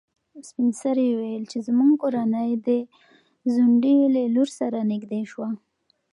سپین سرې وویل چې زموږ کورنۍ د ځونډي له لور سره نږدې شوه.